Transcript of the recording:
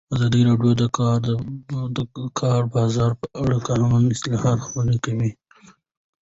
ازادي راډیو د د کار بازار په اړه د قانوني اصلاحاتو خبر ورکړی.